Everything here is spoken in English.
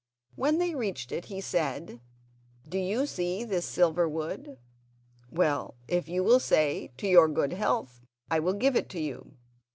When they reached it he said: "Do you see this silver wood? Well, if you will say, 'To your good health,' I will give it to you."